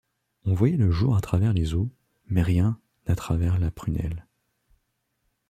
On voyait le jour à travers les os, mais rien à travers la prunelle.